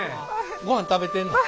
ごはん食べてんの？